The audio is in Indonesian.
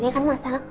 ya kan mas al